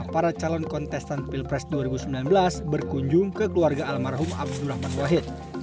para calon kontestan pilpres dua ribu sembilan belas berkunjung ke keluarga almarhum abdurrahman wahid